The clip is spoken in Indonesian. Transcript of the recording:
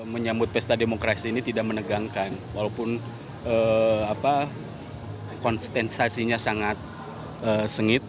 menyambut pesta demokrasi ini tidak menegangkan walaupun konsentrasinya sangat sengit